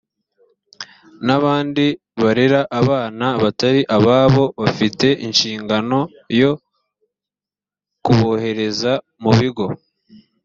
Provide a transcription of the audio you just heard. n’abandi barera abana batari ababo bafite inshingano yo kubohereza mu bigo